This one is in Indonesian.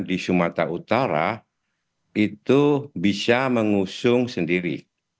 di sumatera utara itu bisa mengusung sendiri